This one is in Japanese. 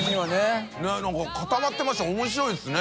何か固まってました面白いですね。